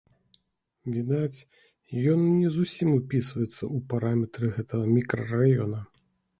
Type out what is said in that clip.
Відаць, ён не зусім упісваецца ў параметры гэтага мікрараёна.